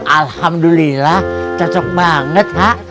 alhamdulillah cocok banget ha